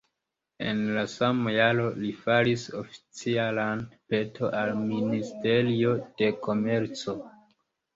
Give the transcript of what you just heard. En la sama jaro li faris oficialan peton al Ministerio de Komerco.